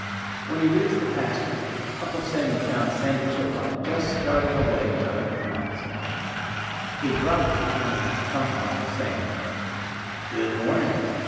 When he reached the pasture Uncle Sammy found Sandy Chipmunk just starting away to hunt for nuts. [Illustration: He Dropped the Grain in Front of Uncle Sammy] "Good morning!"